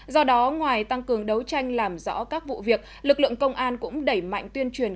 do đó ngoài tăng cường đấu tranh làm rõ các vụ việc lực lượng công an cũng đẩy mạnh tuyên truyền